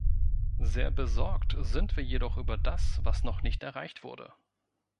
Sehr besorgt sind wir jedoch über das, was noch nicht erreicht wurde.